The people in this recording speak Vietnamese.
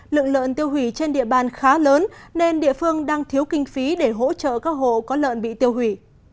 lượng lợn tiêu hủy trên địa bàn khá lớn nên địa phương đang thiếu kinh phí để hỗ trợ các hộ có lợn bị tiêu hủy